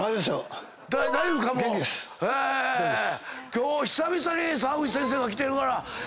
今日久々に澤口先生が来てるから。